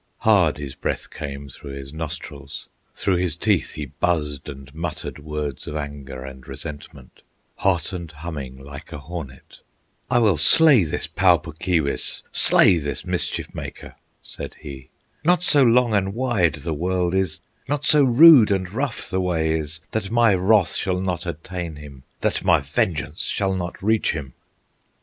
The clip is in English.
Hard his breath came through his nostrils, Through his teeth he buzzed and muttered Words of anger and resentment, Hot and humming, like a hornet. "I will slay this Pau Puk Keewis, Slay this mischief maker!" said he. "Not so long and wide the world is, Not so rude and rough the way is, That my wrath shall not attain him, That my vengeance shall not reach him!"